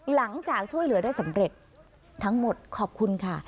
หลังจากช่วยเหลือได้สำเร็จทั้งหมดขอบคุณค่ะ